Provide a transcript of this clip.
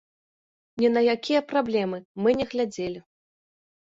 Ні на якія праблемы мы не глядзелі.